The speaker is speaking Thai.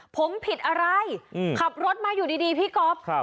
ผมผิดอะไรอืมขับรถมาอยู่ดีดีพี่กอล์ฟครับ